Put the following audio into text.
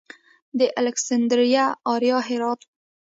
د الکسندریه اریا هرات و